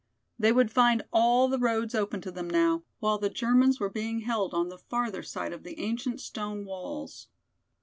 They would find all the roads open to them now, while the Germans were being held on the farther side of the ancient stone walls.